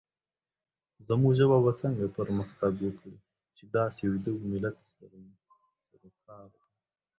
زمونږ ژبه به څنګه پرمختګ وکړې، چې داسې ويده ولس سره مو سروکار وي